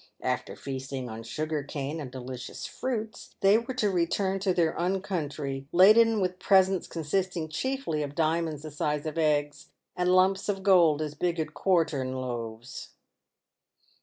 After feasting on sugar cane and delicious fruits, they were to return to their own country laden with presents consisting chiefly of diamonds the size of eggs, and lumps of gold as big as quartern loaves.